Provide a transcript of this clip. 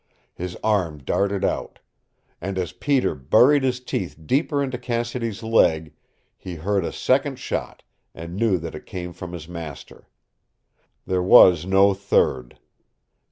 His arm darted out. And as Peter buried his teeth deeper into Cassidy's leg, he heard a second shot, and knew that it came from his master. There was no third.